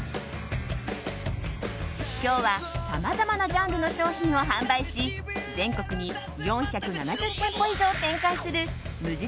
今日は、さまざまなジャンルの商品を販売し全国に４７０店舗以上を展開する無印